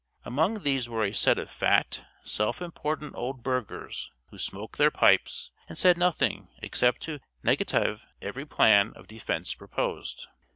Among these were a set of fat, self important old burghers, who smoked their pipes, and said nothing except to negative every plan of defence proposed.